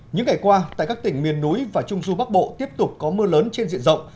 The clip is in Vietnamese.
những ngày qua tại các tỉnh miền núi và trung du bắc bộ tiếp tục có mưa lớn trên diện rộng